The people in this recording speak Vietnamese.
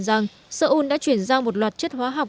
rằng seoul đã chuyển giao một loạt chất hóa học